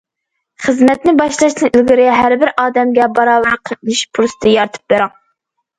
خىزمەتنى باشلاشتىن ئىلگىرى، ھەر بىر ئادەمگە باراۋەر قاتنىشىش پۇرسىتى يارىتىپ بېرىڭ.